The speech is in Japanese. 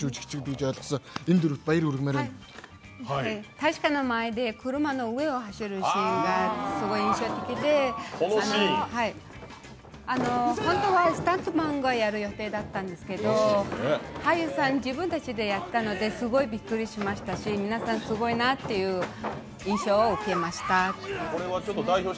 大使館の前で車の上を走るシーンがすごい印象的で本当はスタントマンがやる予定だったんですけど俳優さん、自分たちでやったので、すごいびっくりしましたし皆さんすごいなという印象を受けました。